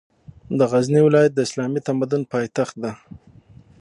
د غزني ولایت د اسلامي تمدن پاېتخت ده